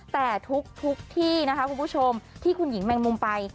แต่ทุกที่นะคะคุณผู้ชมที่คุณหญิงแมงมุมไป